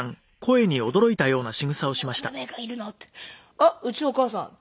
「あっうちのお母さん」。